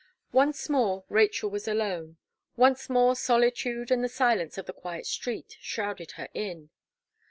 Once more Rachel was alone. Once more solitude and the silence of the quiet street, shrouded her in.